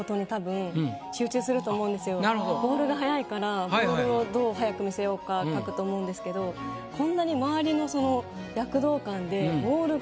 ボールが速いからボールをどう速く見せようか描くと思うんですけどこんなに。